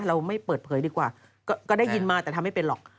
เราไม่เปิดเผยดีกว่าก็ได้ยินมาแต่ทำไม่เป็นหรอก